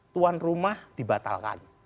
tuan rumah dibatalkan